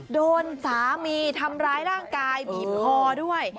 โดนสามีทำร้ายร่างกายบีบคอด้วย